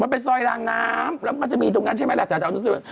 มันเป็นซอยรางน้ำมันก็จะมีตรงนั้นใช่ไหม